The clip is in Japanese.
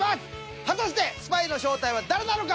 果たしてスパイの正体は誰なのか。